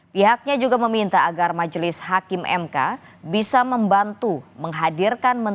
bang utu masih omon omon